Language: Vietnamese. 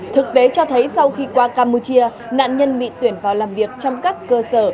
thực tế cho thấy sau khi qua campuchia nạn nhân bị tuyển vào làm việc trong các cơ sở